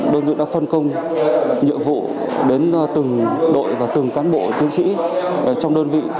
đơn vị đã phân công nhiệm vụ đến từng đội và từng cán bộ chiến sĩ trong đơn vị